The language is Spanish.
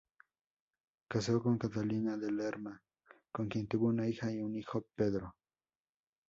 Casó con Catalina de Lerma, con quien tuvo una hija y un hijo, Pedro.